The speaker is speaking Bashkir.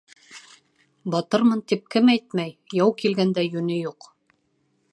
Батырмын тип кем әйтмәй? -Яу килгәндә, йүне юҡ;